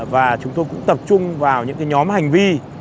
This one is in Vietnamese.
và chúng tôi cũng tập trung vào những nhóm hành vi